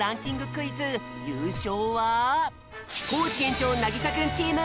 クイズゆうしょうはコージ園長なぎさくんチーム！